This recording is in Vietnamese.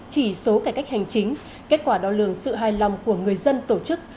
chỉ số cải cách hành chính kết quả đo lường sự hài lòng của người dân tổ chức